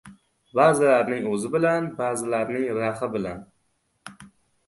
Ba’zilarining o‘zi bilan, ba’zilarining rahi bilan.